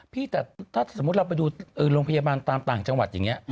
พี่แต่ถ้าสมมุติเราไปดูโรงพยาบาลตามต่างจังหวัดอย่างนี้